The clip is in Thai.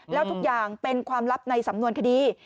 แล้วทุกอย่างเป็นความลับในสำนวนคดี